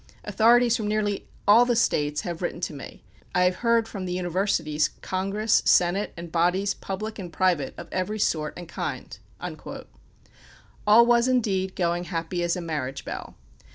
Authorities from nearly all the states have written to me. I have heard from the universities, congress, senate, and bodies, public and private, of every sort and kind." All was indeed going happy as a marriage bell.